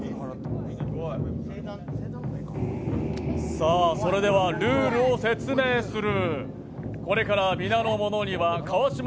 さあ、それではルールを説明する。